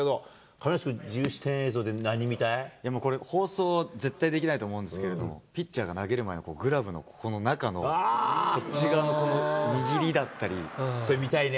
亀梨君、これ、放送絶対できないと思うんですけれども、ピッチャーが投げる前のグラブのここの中のこっち側の握りだったそれ、見たいね。